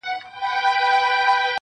کم اصل چي کوم ځاى خوري، هلته خړي.